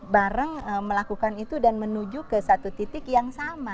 bareng melakukan itu dan menuju ke satu titik yang sama